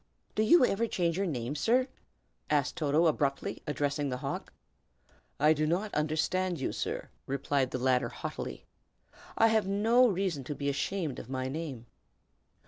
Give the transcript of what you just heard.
"Do you ever change your name, sir?" asked Toto, abruptly, addressing the hawk. "I do not understand you, sir!" replied the latter, haughtily. "I have no reason to be ashamed of my name."